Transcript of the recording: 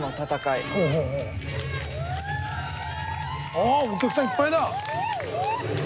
あお客さんいっぱいだ。